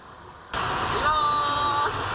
いきます！